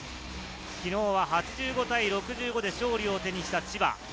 昨日は８５対６５で勝利を手にした千葉。